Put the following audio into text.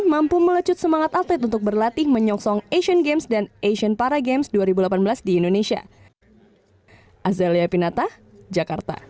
mampu melecut semangat atlet untuk berlatih menyongsong asian games dan asian para games dua ribu delapan belas di indonesia